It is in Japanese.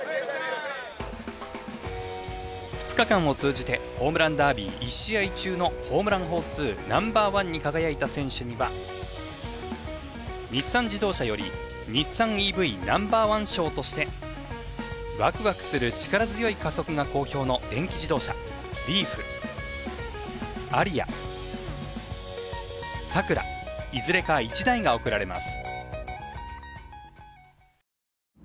２日間を通じてホームランダービー１試合中のホームラン数ナンバー１に輝いた選手には日産自動車より日産ＥＶＮｏ．１賞としてワクワクする力強い加速が好評の電気自動車株式会社マイナビは今年創業５０周年を迎えます。